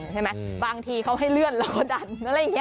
บางทีเขาให้เลื่อนแล้วก็ดันอะไรอย่างนี้